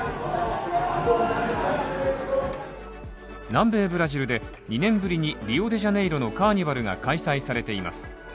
南米ブラジルで２年ぶりにリオデジャネイロのカーニバルが開催されています。